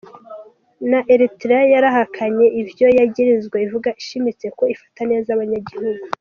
Na Eritrea yarahakanye ivyo yagirizwa, ivuga ishimitse ko ifata neza abanyagihugu.